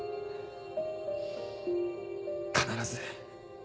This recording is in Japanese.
必ず。